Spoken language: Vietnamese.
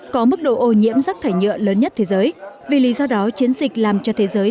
có mức độ ô nhiễm rác thải nhựa lớn nhất thế giới vì lý do đó chiến dịch làm cho thế giới